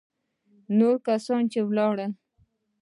نور کسان چې ولاړل.